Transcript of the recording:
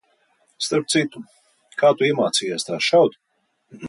Starp citu, kā tu iemācījies tā šaut?